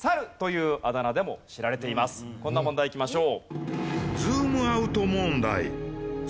こんな問題いきましょう。